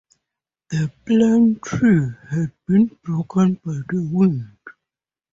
The plane-tree had been broken by the wind.